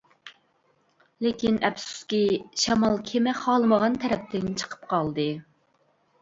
لېكىن ئەپسۇسكى، شامال كېمە خالىمىغان تەرەپتىن چىقىپ قالدى.